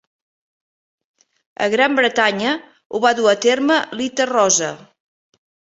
A Gran Bretanya ho va dur a terme Lita Roza.